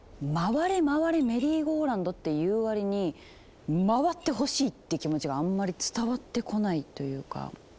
「回れ回れメリーゴーラウンド」って言うわりに「回ってほしい」って気持ちがあんまり伝わってこないというか。